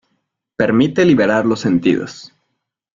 Permite liberar los sentidos.